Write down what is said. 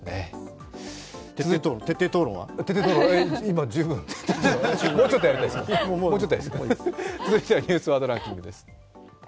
今、十分、徹底討論を続いては「ニュースワードランキング」です。